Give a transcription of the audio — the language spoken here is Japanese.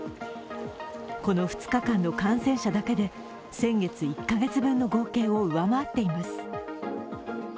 この２日間の感染者だけで先月１カ月分の合計を上回っています。